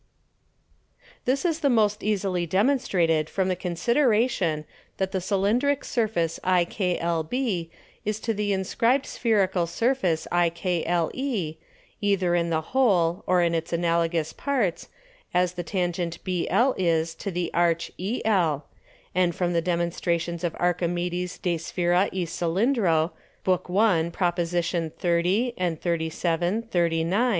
This is the most easily demonstrated from the Consideration, That the Cylindrick Surface IKLB is to the inscrib'd Spherical Surface IKLE, either in the whole, or in its Analogous Parts, as the tangent BL is to the Arch EL, and from the Demonstrations of Archimedes de Sphæra & Cylindro, Lib. I. Prop. XXX, and XXXVII, XXXIIX.